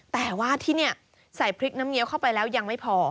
แต่ว่าที่นี่ใส่พริกน้ำเงี้ยวเข้าไปแล้วยังไม่พอ